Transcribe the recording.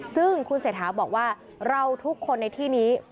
ซึ่งคุณเศรษฐาบอกว่าเราทุกคนในที่นี้